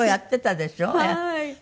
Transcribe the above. はい。